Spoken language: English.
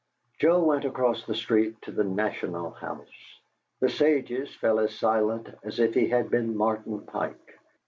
Joe went across the street to the "National House." The sages fell as silent as if he had been Martin Pike.